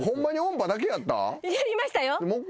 やりましたよ。